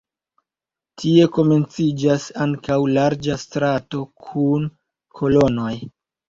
Tie komenciĝas ankaŭ larĝa strato kun kolonoj.